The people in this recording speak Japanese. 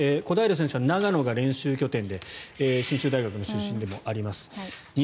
小平選手は長野が練習拠点で信州大学の出身でもあります。